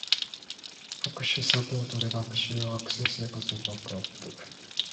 各種サポートで学習や学生生活をバックアップ